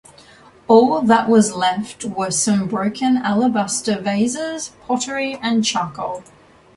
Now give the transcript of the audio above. All that was left were some broken alabaster vases, pottery and charcoal.